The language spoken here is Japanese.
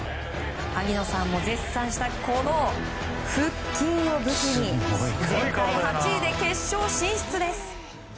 萩野さんも絶賛したこの腹筋を武器に全体８位で決勝進出です。